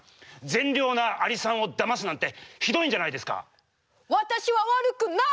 善良なアリさんをだますなんてひどいんじゃないですか！